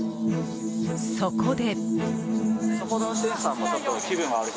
そこで。